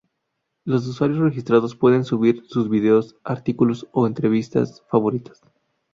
Los usuarios registrados pueden subir sus vídeos, artículos o entrevistas favoritas".